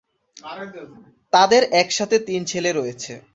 তাদের একসাথে তিন ছেলে রয়েছে।